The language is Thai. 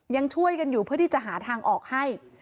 ยังช่วยกันอยู่เพื่อที่จะหาทางออกให้